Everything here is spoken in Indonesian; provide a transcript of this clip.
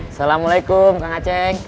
assalamualaikum kak ngaceng